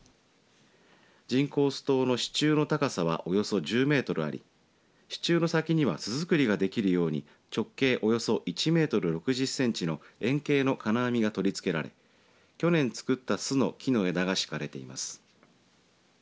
人工巣塔の支柱の高さはおよそ１０メートルあり支柱の先には巣づくりができるように直径およそ１メートル６０センチの円形の金網が取り付けられ去年作った巣の木の枝が敷かれています。